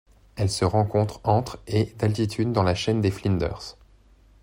Elle se rencontre entre et d'altitude dans la chaîne de Flinders.